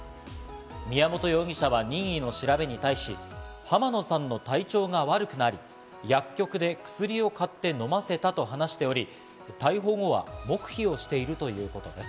宮本容疑者は、任意の調べに対し、浜野さんの体調が悪くなり、薬局で薬を買って飲ませたと話しており、逮捕後は黙秘をしているということです。